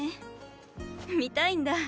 見たいんだ。